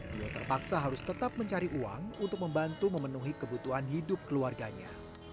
tio terpaksa harus tetap mencari uang untuk membantu memenuhi kebutuhan hidup keluarganya